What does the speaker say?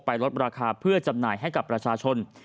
ลดราคาเพื่อจำหน่ายให้กับประชาชน